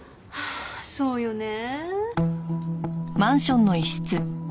そうよねえ。